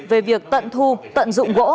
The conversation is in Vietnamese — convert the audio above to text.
về việc tận thu tận dụng gỗ